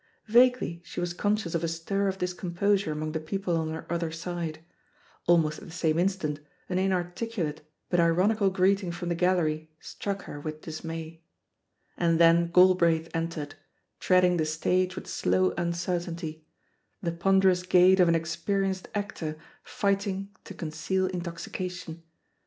Vaguely she was conscious of a stir of discomposure among the people on her other side ; almost at the same instant, an in articulate but ironical greeting from the gallery struck her with dismay; and then Galbraith en tered, treading the stage with slow imcertainty, the ponderous gait of an experienced actor fight THE POSITION OF PEGGY HARPER 16* ing to conceal intoxication.